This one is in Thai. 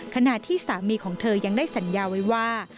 ขณะที่สามีของเธอยังได้สัญญาไว้ว่า